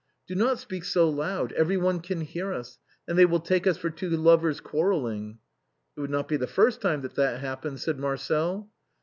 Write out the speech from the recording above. " Do not speak so loud, everyone can hear us, and they will take us for two lovers quarreling." " It would not be the first time that that happened," said Marcel.